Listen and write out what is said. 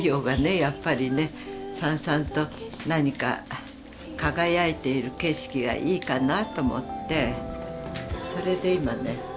やっぱりねさんさんと何か輝いている景色がいいかなと思ってそれで今ね